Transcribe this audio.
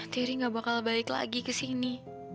diri nggak bakal balik lagi kesini